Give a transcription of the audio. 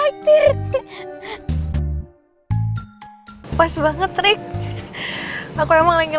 ngapain trades gini